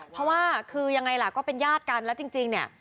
เพราะว่าคือยังไงล่ะก็เป็นญาติกันแล้วจริงเนี่ย